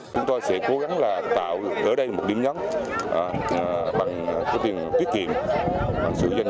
chúng tôi sẽ cố gắng tạo ở đây một điểm nhấn bằng tiết kiệm bằng sự dân dụng